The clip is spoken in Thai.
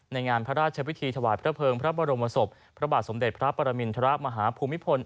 ในงานพระราชพิธีถวายพระเภิงพระบรมศพพระบาทสมเด็จพระปรมินทรมาฮภูมิพล